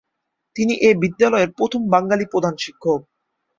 তিনি এ বিদ্যালয়ের প্রথম বাঙালি প্রধান শিক্ষক।